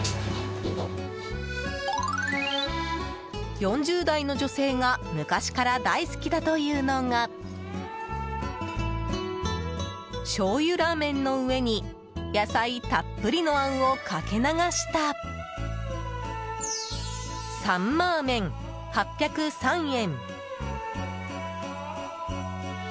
４０代の女性が昔から大好きだというのがしょうゆラーメンの上に野菜たっぷりのあんをかけ流したサンマーメン、８０３円。